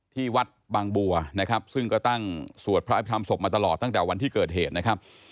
ที่วัดบางบัวนะครับซึ่งก็ตั้งสวดพระอภิษฐรรมศพมาตลอดตั้งแต่วันที่เกิดเหตุนะครับ